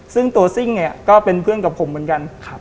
ซึ่งตัวซิ่งเนี่ยก็เป็นเพื่อนกับผมเหมือนกัน